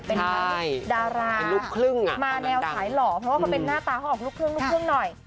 เป็นดารามาแนวสายหล่อเพราะว่าเป็นหน้าตาเขาออกลูกครึ่งหน่อย